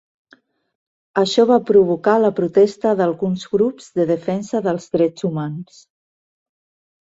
Això va provocar la protesta d'alguns grups de defensa dels drets humans.